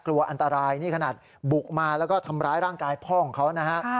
กลัวอันตรายนี่ขนาดบุกมาแล้วก็ทำร้ายร่างกายพ่อของเขานะฮะ